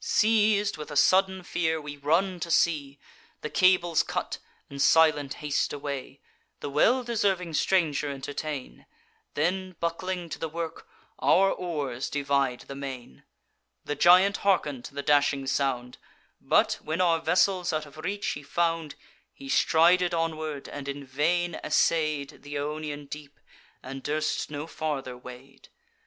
"Seiz'd with a sudden fear, we run to sea, The cables cut, and silent haste away; The well deserving stranger entertain; Then, buckling to the work, our oars divide the main. The giant harken'd to the dashing sound: But, when our vessels out of reach he found, He strided onward, and in vain essay'd Th' Ionian deep, and durst no farther wade.